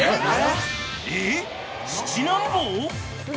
［えっ！？］